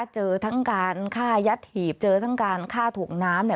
เจอทั้งการฆ่ายัดหีบเจอทั้งการฆ่าถ่วงน้ำ